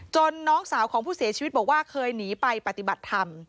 น้องสาวของผู้เสียชีวิตบอกว่าเคยหนีไปปฏิบัติธรรม